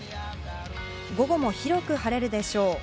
午後も広く晴れるでしょう。